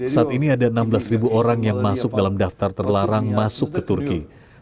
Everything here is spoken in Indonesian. saat ini ada enam belas orang yang masuk dalam daftar terlarang masuk ke turki